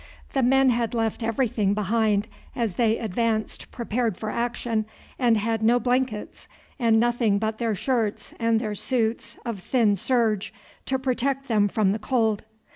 The men had left everything behind as they advanced prepared for action, and had no blankets, and nothing but their shirts and their suits of thin serge to protect them from the cold.